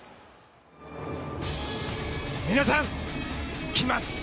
皆さん、来ます！